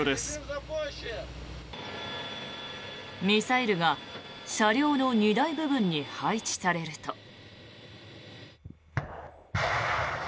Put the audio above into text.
ミサイルが車両の荷台部分に配置されると。